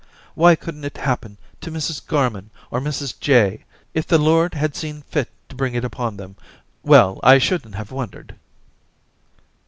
*^ Why couldn't it happen to Mrs Garman^or Mrs Jay? If the Lord had seen fit to bring it upon them — well, I shouldn't have wondered.'